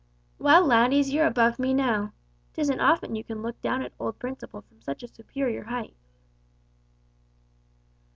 "Well, laddies, you're above me now. 'Tisn't often you can look down at old Principle from such a superior height."